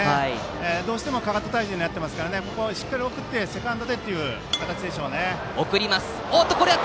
どうしてもかかと体重になってますからここはしっかり送ってセカンドでという形ですね。